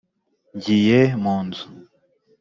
• ngiye mu nzu.